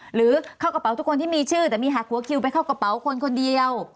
หรือเข้ากระเป๋าทุกคนที่มีชื่อแต่มีหักหัวคิวไปเข้ากระเป๋าคนคนเดียว